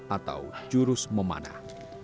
atau jurus memanah